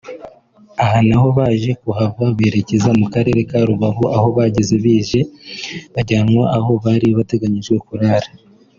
Aha naho baje kuhava berekeza mu karere ka Rubavu aho bageze bwije bajyanwa aho bari bateganyirijwe kurara